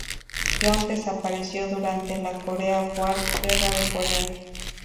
Yoon desapareció durante la "Korean War" Guerra de Corea.